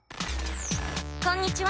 こんにちは。